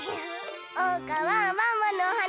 おうかはワンワンのおはなだいすき！